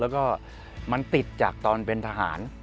แล้วก็มันติดจากตอนเป็นทหาร